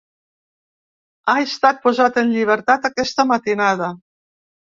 Ha estat posat en llibertat aquesta matinada.